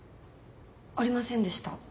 ありませんでした。